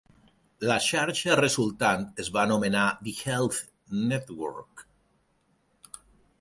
La xarxa resultant es va anomenar The Health Network.